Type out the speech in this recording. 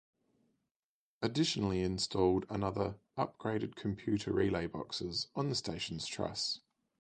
Additionally installed another upgraded computer relay boxes on the station's truss.